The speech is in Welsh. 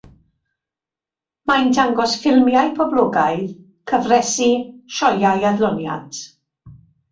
Mae'n dangos ffilmiau poblogaidd, cyfresi, sioeau adloniant.